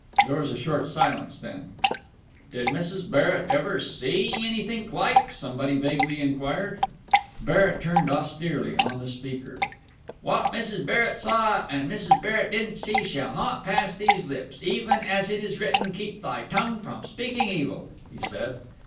There was a short silence: then, "Did Mrs. Barrett ever..._ see_ anythink, like?" somebody vaguely inquired. Barrett turned austerely on the speaker. "What Mrs. Barrett saw and Mrs. Barrett didn't see shall not pass these lips; even as it is written, keep thy tongue from speaking evil," he said.